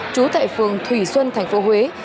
chú tại phường thủy xuân thành phố huế